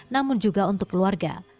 namun juga untuk keluarga